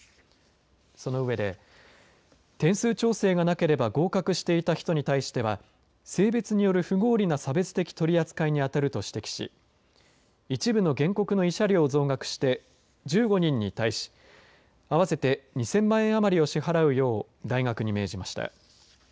その上で点数調整がなければ合格していた人に対しては性別による不合理な差別的取り扱いに当たると指摘し一部の原告の慰謝料を増額して１５人に対し合わせて２０００万円余りを支払うよう大学に命じました。